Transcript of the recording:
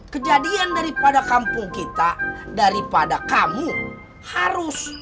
kejadian daripada kampung kita daripada kamu harus